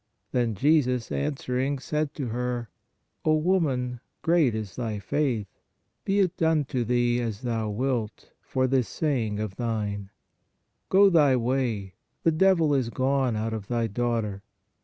Then Jesus, answering, said to her : O woman, great is thy faith ; be it done to thee as thou wilt, for this saying (of thine) ; go thy way, the devil is gone out of thy daughter.